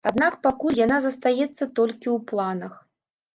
Аднак пакуль яна застаецца толькі ў планах.